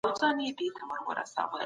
سړی اوس مهال غچ اخلي.